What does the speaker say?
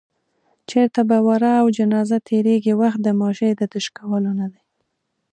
چېرته به ورا او جنازه تېرېږي، وخت د ماشې د تش کولو نه دی